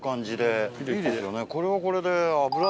これはこれで。